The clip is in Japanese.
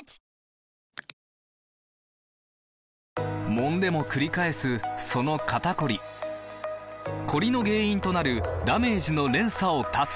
もんでもくり返すその肩こりコリの原因となるダメージの連鎖を断つ！